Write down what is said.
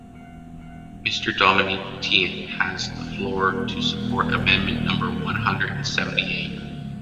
Mr. Dominique Tian has the floor to support amendment number one hundred and seventy-eight.